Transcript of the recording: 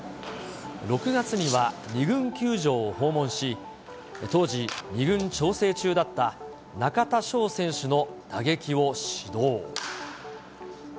６月には２軍球場を訪問し、当時、２軍調整中だった中田翔選手の打撃を指導。